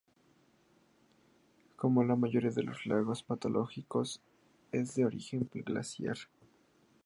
Como la mayoría de los lagos patagónicos, es de origen glaciar.